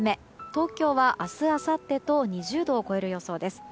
東京は明日、あさってと２０度を超える予想です。